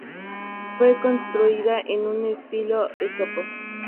Fue construida en un estilo Esopo.